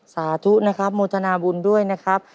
สาธุนะครับโมทนาบุญด้วยนะครับ